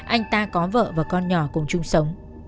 anh ta có vợ và con nhỏ cùng chung sống